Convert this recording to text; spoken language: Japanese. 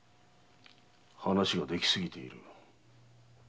話ができすぎている。